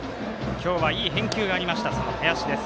今日は、いい返球があった林です。